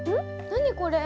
何これ？